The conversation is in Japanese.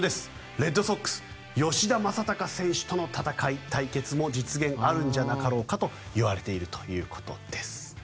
レッドソックス吉田正尚選手との戦い対決も実現あるんじゃなかろうかといわれているということです。